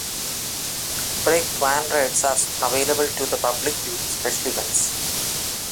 Brake Van rides are available to the public during special events.